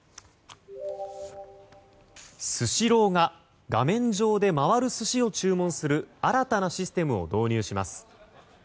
スシローが画面上で回る寿司を注文する新たなシステムを導入します。